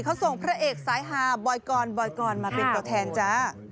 เขาส่งพระเอกสายฮาบอยกรบอยกรมาเป็นตัวแทนจ้า